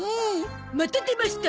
また出ました